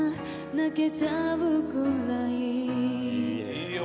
いいよ！